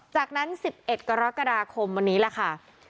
จากนั้น๑๑กรกฎาคมวันนี้แหละค่ะ